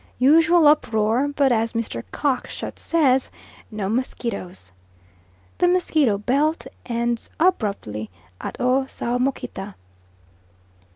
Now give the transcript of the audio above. Usual uproar, but as Mr. Cockshut says, no mosquitoes. The mosquito belt ends abruptly at O'Soamokita.